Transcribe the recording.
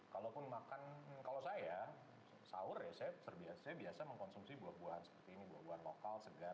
kalaupun makan kalau saya sahur ya saya biasa mengkonsumsi buah buahan seperti ini buah buahan lokal segar